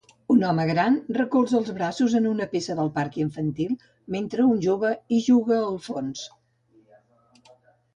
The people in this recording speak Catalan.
Un home gran recolza els braços en una peça del parc infantil mentre un jove hi juga al fons.